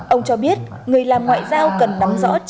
ông cho biết người làm ngoại giao cần nắm rõ